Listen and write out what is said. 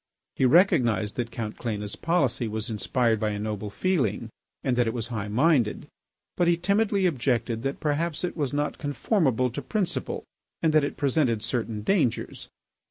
He recognised that Count Cléna's policy was inspired by a noble feeling and that it was high minded, but he timidly objected that perhaps it was not conformable to principle, and that it presented certain dangers.